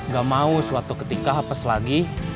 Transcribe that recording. gak mau suatu ketika hapes lagi